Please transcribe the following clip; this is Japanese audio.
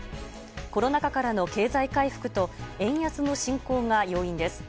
コロナ禍からの経済回復と円安の進行が要因です。